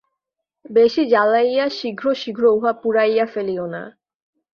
বেশী জ্বালাইয়া শীঘ্র শীঘ্র উহা পুড়াইয়া ফেলিও না।